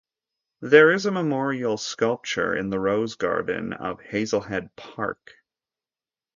There is a memorial sculpture in the Rose Garden of Hazlehead Park.